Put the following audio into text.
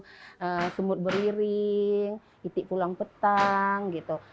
semut beriring itik pulang petang